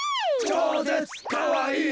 「ちょうぜつかわいい」